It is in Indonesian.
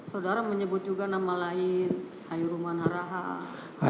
saudara menyebut juga nama lain hayuruman haraha